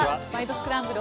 スクランブル」